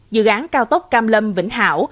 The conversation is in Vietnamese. dự án cao tốc cam lâm vĩnh hảo